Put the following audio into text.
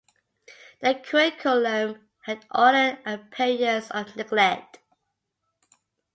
The curriculum had all the appearance of neglect.